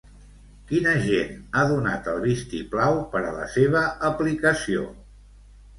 Quin agent ha donat el vistiplau per a la seva aplicació?